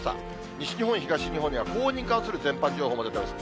西日本、東日本には高温に関する全般情報も出てます。